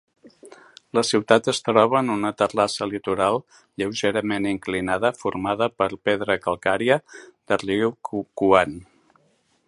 La ciutat es troba en una terrassa litoral lleugerament inclinada formada per pedra calcària de Ryukyuan.